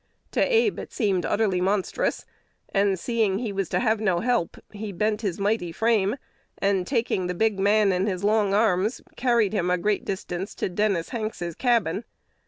To Abe it seemed utterly monstrous; and, seeing he was to have no help, he bent his mighty frame, and, taking the big man in his long arms, carried him a great distance to Dennis Hanks's cabin.